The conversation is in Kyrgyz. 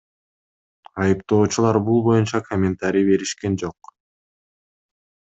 Айыптоочулар бул боюнча комментарий беришкен жок.